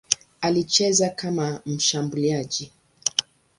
Alicheza kama mshambuliaji.